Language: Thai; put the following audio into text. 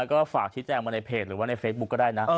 ก็ฝากชี้แจงมาในเพจหรือว่าในเฟซบุ๊คก็ได้นะ